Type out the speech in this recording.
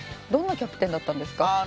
どんなキャプテンだったんですか？